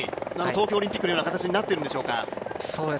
東京オリンピックのような形になっているんでしょうか。